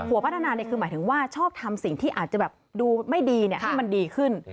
พัฒนาคือหมายถึงว่าชอบทำสิ่งที่อาจจะแบบดูไม่ดีให้มันดีขึ้น